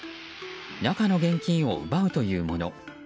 中の現金を奪うというもの。